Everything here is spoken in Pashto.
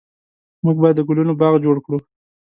موږ به د ګلونو باغ جوړ کړو